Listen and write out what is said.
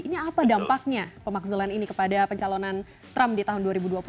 ini apa dampaknya pemakzulan ini kepada pencalonan trump di tahun dua ribu dua puluh